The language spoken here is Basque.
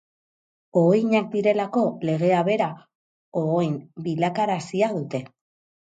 Ohoinak direlako, legea bera ohoin bilakarazia dute.